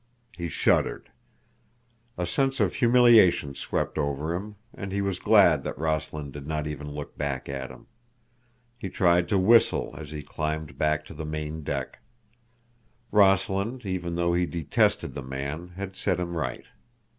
He shuddered. A sense of humiliation swept over him, and he was glad that Rossland did not even look back at him. He tried to whistle as he climbed back to the main deck; Rossland, even though he detested the man, had set him right.